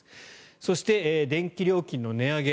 そして、電気料金の値上げ